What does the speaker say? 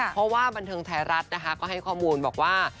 เพราะว่าบันเทิงไทยรัฐนะคะก็ให้ข้อมูลบอกว่า